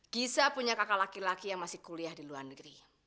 gisa punya kakak laki laki yang masih kuliah di luar negeri